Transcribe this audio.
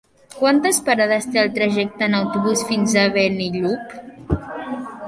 Quantes parades té el trajecte en autobús fins a Benillup?